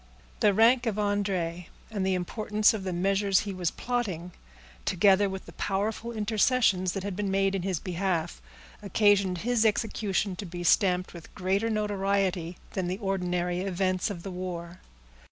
The rank of André, and the importance of the measures he was plotting, together with the powerful intercessions that had been made in his behalf, occasioned his execution to be stamped with greater notoriety than the ordinary events of the war.